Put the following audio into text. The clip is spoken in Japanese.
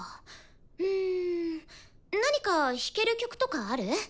うん何か弾ける曲とかある？